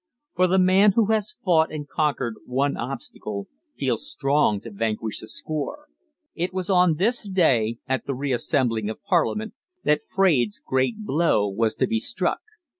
For the man who has fought and conquered one obstacle feels strong to vanquish a score. It was on this day, at the reassembling of Parliament, that Fraide's great blow was to be struck.